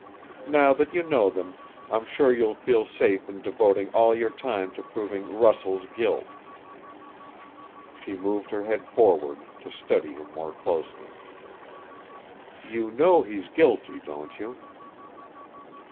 Now that you know them, I'm sure you'll feel safe in devoting all your time to proving Russell's guilt." She moved her head forward, to study him more closely. "You know he's guilty, don't you?"